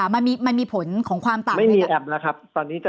มันมีผลของความต่ำเลย